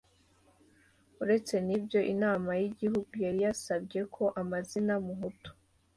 Uretse n'ibyo Inama Nkuru y'Igihugu yari yarasabye ko amazina Muhutu,